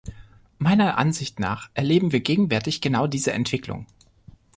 Meiner Ansicht nach erleben wir gegenwärtig genau diese Entwicklung.